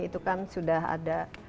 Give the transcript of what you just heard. itu kan sudah ada